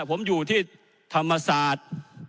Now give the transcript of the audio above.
ผมอยู่ที่ธรรมศาสตร์